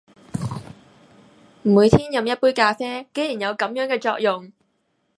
每天飲一杯咖啡，竟然有噉樣嘅作用！